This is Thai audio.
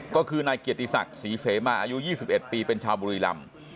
ก็คือนายเกียรติศักดิ์ศรีเสมาอายุ๒๑ปีเป็นชาวบุรีรำ